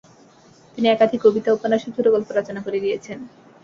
তিনি একাধিক কবিতা, উপন্যাস ও ছোটোগল্প রচনা করে গিয়েছেন।